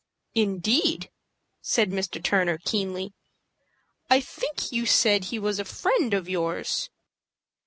"Indeed!" said Mr. Turner, keenly. "I think you said he was a friend of yours."